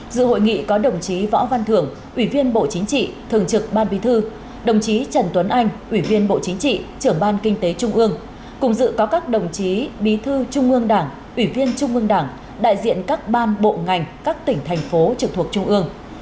dự hội nghị có đồng chí võ văn thưởng ủy viên bộ chính trị thường trực ban bí thư đồng chí trần tuấn anh ủy viên bộ chính trị trưởng ban kinh tế trung ương cùng dự có các đồng chí bí thư trung ương đảng ủy viên trung ương đảng đại diện các ban bộ ngành các tỉnh thành phố trực thuộc trung ương